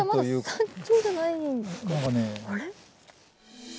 あれ？